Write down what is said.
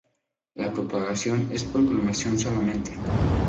La propagación es por clonación solamente.